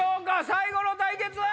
最後の対決！